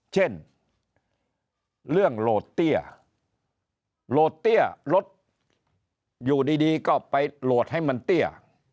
เช่นเรื่องโหลดเตี้ยโหลดเตี้ยลดอยู่ดีก็ไปโหลดให้มันเตี้ย